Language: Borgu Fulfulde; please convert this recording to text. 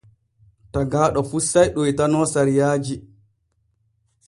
Tagaaɗo fu sey ɗoytano sariyaaji.